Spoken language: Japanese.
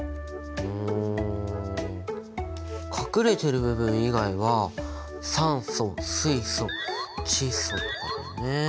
うん隠れてる部分以外は酸素水素窒素とかだよね。